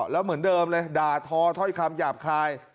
แล้วเหมือนเดิมเลยด่าทอถ้อยคำหยาบคาย